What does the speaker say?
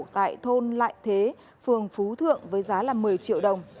tại thôn lại thế phường phú thượng với giá là một mươi triệu đồng